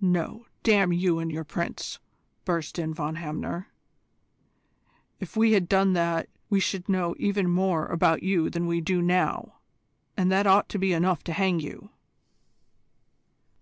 "No, damn you and your Prince!" burst in Von Hamner. "If we had done that we should know even more about you than we do now and that ought to be enough to hang you."